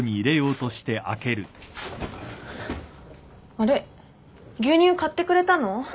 あれっ牛乳買ってくれたの？